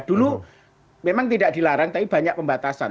dulu memang tidak dilarang tapi banyak pembatasan